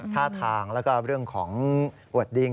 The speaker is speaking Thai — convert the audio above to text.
ท่าทางแล้วก็เรื่องของอวดดิง